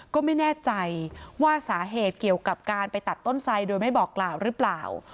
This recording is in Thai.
ก็ไม่แน่ใจว่าสาเหตุเกี่ยวกับการไปตัดต้นไสโดยไม่บอกกล่าวหรือเปล่า